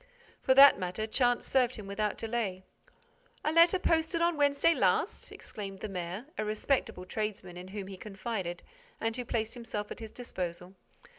For that matter, chance served him without delay: "A letter posted on Wednesday last?" exclaimed the mayor, a respectable tradesman in whom he confided and who placed himself at his disposal.